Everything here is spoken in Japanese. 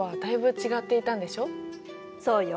そうよ。